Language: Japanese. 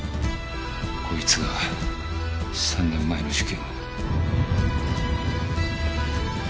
こいつが３年前の事件を。